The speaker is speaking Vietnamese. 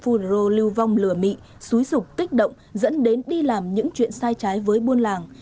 các đối tượng phun rô lưu vong lửa mị xúi rục tích động dẫn đến đi làm những chuyện sai trái với buôn làng